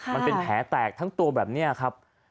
มันเป็นแผลแตกทั้งตัวแบบนี้ครับ